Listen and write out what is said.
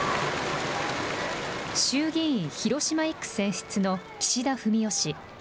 衆議院広島１区選出の岸田文雄氏。